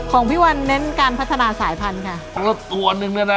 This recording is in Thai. ของพี่วันเน้นการพัฒนาสายพันธุ์ค่ะแล้วตัวนึงเนี่ยนะ